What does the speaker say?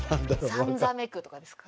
さんざめくとかですか？